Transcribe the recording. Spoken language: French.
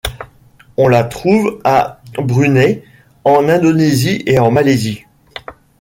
On la trouve à Brunei, en Indonésie et Malaisie.